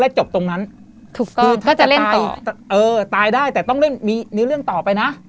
จบตรงนั้นถูกต้องคือถ้าจะเล่นต่อเออตายได้แต่ต้องเล่นมีเนื้อเรื่องต่อไปนะ